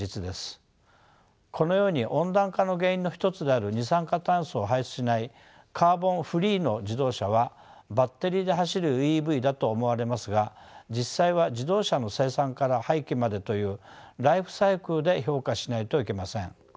このように温暖化の原因の一つである二酸化炭素を排出しないカーボン・フリーの自動車はバッテリーで走るＥＶだと思われますが実際は自動車の生産から廃棄までというライフサイクルで評価しないといけません。